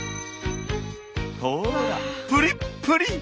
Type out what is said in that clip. ほらプリップリ！